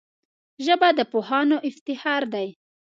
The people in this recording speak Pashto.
ژبه د پوهانو افتخار دی